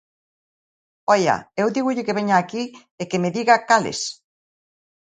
¡Oia, eu dígolle que veña aquí e que me diga cales!